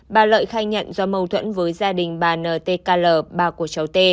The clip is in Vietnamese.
bà lợi khai nhận do mâu thuẫn với gia đình bà ntkl bà của cháu t